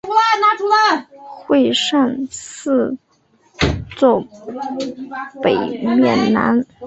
会善寺坐北面南。